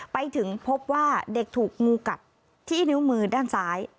ไปถึงพบว่าเด็กถูกงูกัดที่นิ้วมือด้านซ้าย